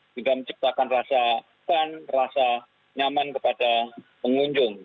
hingga menciptakan rasa fun rasa nyaman kepada pengunjung